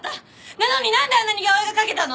なのになんであんな似顔絵が描けたの？